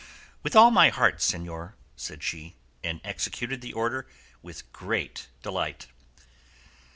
"With all my heart, señor," said she, and executed the order with great delight.